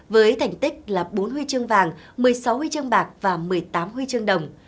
với thành tích là bốn huy chương vàng một mươi sáu huy chương bạc và một mươi tám huy chương đồng